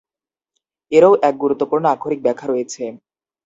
এরও এক গুরুত্বপূর্ণ আক্ষরিক ব্যাখ্যা রয়েছে।